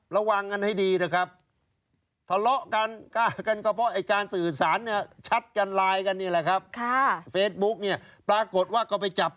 ระวังกันให้ดีนะครับ